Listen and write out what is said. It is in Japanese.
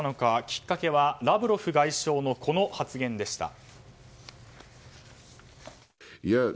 きっかけはラブロフ外相のこの発言でした。